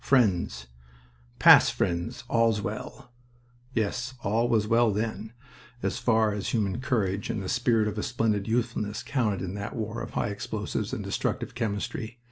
"Friends." "Pass, friends. All's well." Yes, all was well then, as far as human courage and the spirit of a splendid youthfulness counted in that war of high explosives and destructive chemistry.